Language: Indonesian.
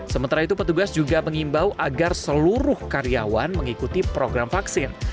sementara itu petugas juga mengimbau agar seluruh karyawan mengikuti program vaksin